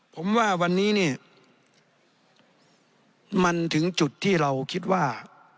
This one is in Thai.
ผมว่าวันนี้เนี่ยมันถึงจุดที่เราคิดว่า